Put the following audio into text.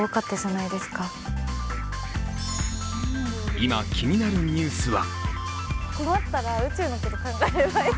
今、気になるニュースは？